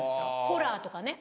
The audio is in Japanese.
ホラーとかね。